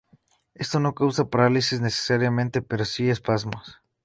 Esto no causa parálisis necesariamente pero sí espasmos.